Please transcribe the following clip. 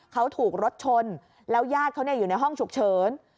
เขาถูกรถชนแล้วญาติเขาอยู่ในห้องฉุกเฉิน